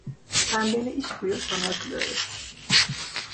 Tembele iş buyur sana akıl öğretsin.